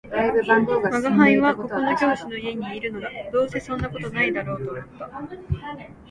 「吾輩はここの教師の家にいるのだ」「どうせそんな事だろうと思った